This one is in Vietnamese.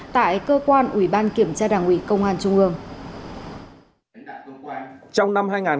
tại cơ quan ủy ban kiểm tra đảng ủy công an trung ương